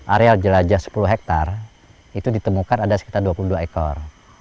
areal jelajah sepuluh hektare itu ditemukan ada sekitar dua puluh dua ekor